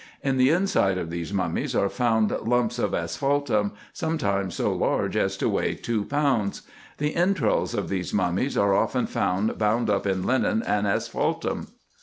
In the inside of these mummies are found lumps of asphaltum, sometimes so large as to weigh two pounds. The entrails of these mummies are often found bound up in linen and asphaltum.